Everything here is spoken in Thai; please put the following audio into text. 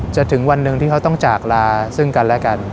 ถึงวันหนึ่งที่เขาต้องจากลาซึ่งกันและกัน